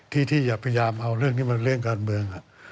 ที่อย่าพยายามเอาเรื่องนี้มาเรื่องการเมือง